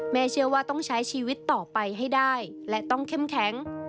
เชื่อว่าต้องใช้ชีวิตต่อไปให้ได้และต้องเข้มแข็ง